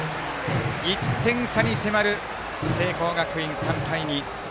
１点差に迫る聖光学院、３対２。